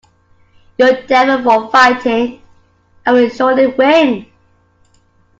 You're a devil for fighting, and will surely win.